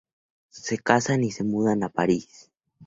Se casan y se mudan a París.